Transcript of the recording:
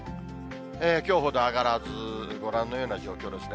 きょうほど上がらず、ご覧のような状況ですね。